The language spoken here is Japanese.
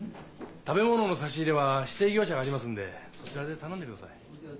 食べ物の差し入れは指定業者がありますんでそちらで頼んでください。